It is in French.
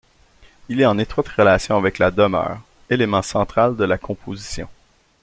Il est en étroite relation avec la demeure, élément central de la composition.